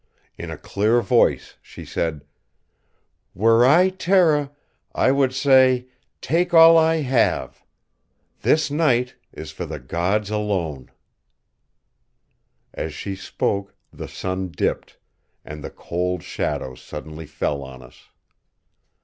In a clear voice she said: "Were I Tera, I would say 'Take all I have! This night is for the Gods alone!'" As she spoke the sun dipped, and the cold shadow suddenly fell on us.